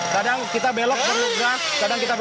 kadang kita belok perlu gas